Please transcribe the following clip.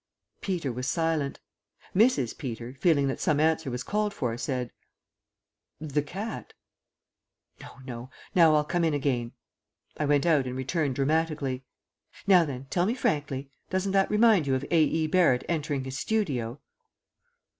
Peter was silent. Mrs. Peter, feeling that some answer was called for, said, "The cat." "No, no. Now I'll come in again." I went out and returned dramatically. "Now then, tell me frankly, doesn't that remind you of A. E. Barrett entering his studio?"